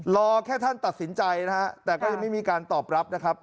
รอแค่ท่านตัดสินใจแต่ก็ยังไม่มีการตอบรับ